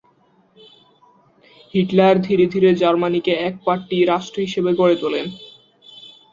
Hitler ধীরে ধীরে জার্মানিকে এক-পার্টি রাষ্ট্র হিসেবে গড়ে তোলেন।